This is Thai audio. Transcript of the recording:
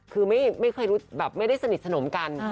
คือไม่ได้สนิทสนมกัน